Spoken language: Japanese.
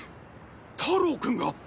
太郎君が！？